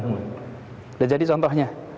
udah jadi contohnya